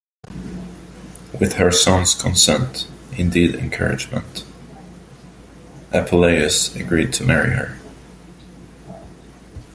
With her son's consent - indeed encouragement - Apuleius agreed to marry her.